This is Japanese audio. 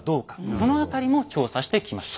その辺りも調査してきました。